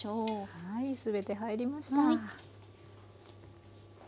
はい全て入りました。